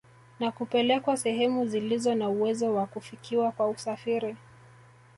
Na kupelekwa sehemu zilizo na uwezo wa kufikiwa kwa usafiri